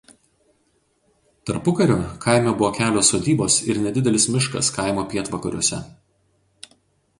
Tarpukariu kaime buvo kelios sodybos ir nedidelis miškas kaimo pietvakariuose.